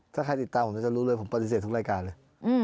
ถ้าใครติดตามผมจะรู้เลยผมปฏิเสธทุกรายการเลย